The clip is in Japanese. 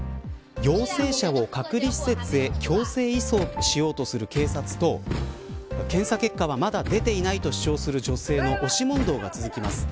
陽性者を隔離施設へ強制移送するしようとする警察と検査結果はまだ出ていないと主張する女性の押し問答が続きます。